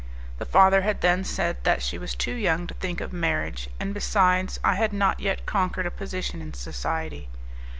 The father had then said that she was too young to think of marriage, and besides, I had not yet conquered a position in society.